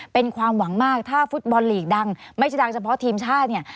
เป็นความหวังมากถ้าฟุตบอลลีกดังไม่ใช่ดังเฉพาะทีมชาติเนี่ย